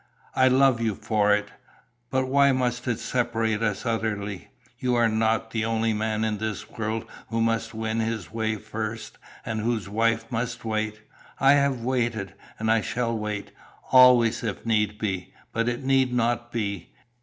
I love you for it. But why must it separate us utterly? You are not the only man in this world who must win his way first, and whose wife must wait. I have waited, and I shall wait, always if need be. But it need not be.